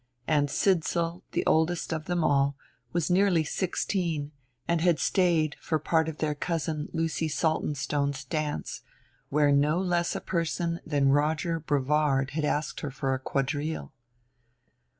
And Sidsall, the oldest of them all, was nearly sixteen and had stayed for part of their cousin Lucy Saltonstone's dance, where no less a person than Roger Brevard had asked her for a quadrille.